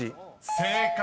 ［正解！